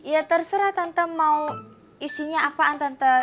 ya terserah tante mau isinya apaan tante